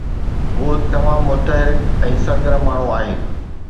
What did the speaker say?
هو هڪ تمام متحرڪ ۽ سرگرم ماڻهو آهي.